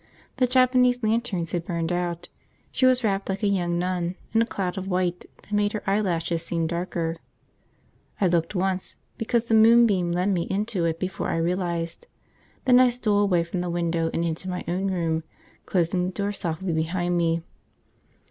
The Japanese lanterns had burned out; she was wrapped like a young nun, in a cloud of white that made her eyelashes seem darker. I looked once, because the moonbeam led me into it before I realised; then I stole away from the window and into my own room, closing the door softly behind me.